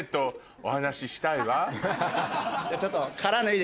じゃあちょっと。